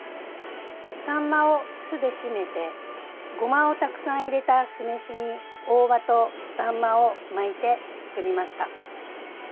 サンマを酢で締めてゴマをたくさん入れた酢飯に大葉とサンマを巻いて作りました。